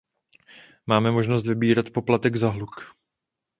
Máme možnost vybírat poplatek za hluk.